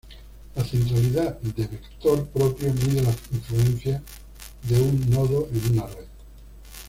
La centralidad de vector propio mide la influencia de un nodo en una red.